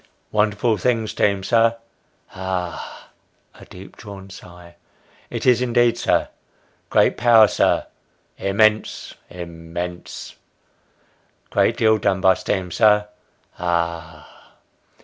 "Wonderful thing steam, sir." "Ah! (a deep drawn sigh) it is indeed, sir." " Great power, sir." " Immense immense !"" Great deal done by steam, sir." " Ah